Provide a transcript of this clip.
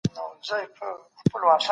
ډېر هوښیار و په خپل عقل خامتماوو